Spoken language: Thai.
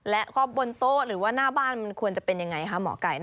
และก็บนโต๊ะหรือว่าหน้าบ้านมันควรจะเป็นยังไงคะหมอไก่